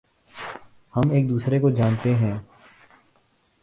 ہم ایک دوسرے کو جانتے ہیں